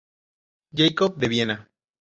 Jakob" de Viena.